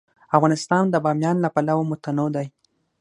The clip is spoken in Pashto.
افغانستان د بامیان له پلوه متنوع دی.